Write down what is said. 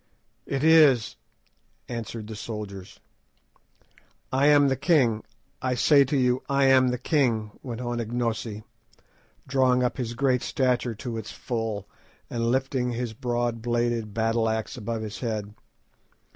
"It is," answered the soldiers. "I am the king; I say to you, I am the king," went on Ignosi, drawing up his great stature to its full, and lifting his broad bladed battle axe above his head.